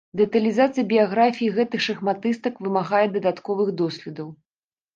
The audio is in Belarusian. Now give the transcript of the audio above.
Дэталізацыя біяграфій гэтых шахматыстак вымагае дадатковых доследаў.